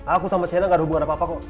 aku sama sena gak ada hubungan apa apa kok